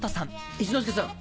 一之輔さん